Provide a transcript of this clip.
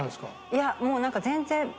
いやもうなんか全然。